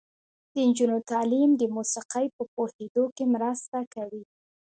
د نجونو تعلیم د موسیقۍ په پوهیدو کې مرسته کوي.